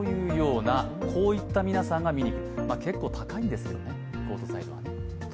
結構高いんですよね、コートサイドはね。